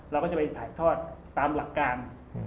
เราก็จะไปถ่ายทอดตามหลักการ